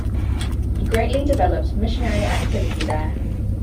He greatly developed missionary activity there.